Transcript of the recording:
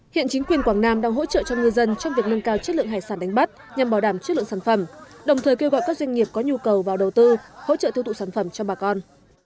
hiện chính quyền quảng nam đang hỗ trợ cho ngư dân trong việc nâng cao chất lượng hải sản đánh bắt nhằm bảo đảm chất lượng sản phẩm đồng thời kêu gọi các doanh nghiệp có nhu cầu vào đầu tư hỗ trợ tiêu tụ sản phẩm cho bà con